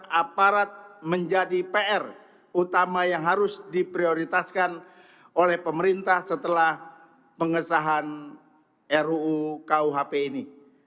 beri jelasan kepada masyarakat serta edukasi terhadap aparat menjadi pr utama yang harus diprioritaskan oleh pemerintah setelah pengesahan ru kuhp ini